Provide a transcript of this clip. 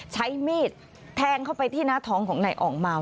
ใช้มีดแทงเข้าไปที่หน้าท้องของนายอ่องมาว